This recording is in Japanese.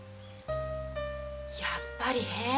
やっぱり変。